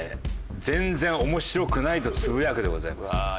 「全然面白くない」とつぶやくでございます。